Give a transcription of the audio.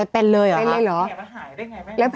เป็นเลยหรอ